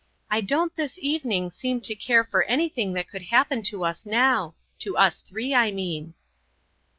I don't this evening seem to care for anything that could happen to us now ; to us three, I mean."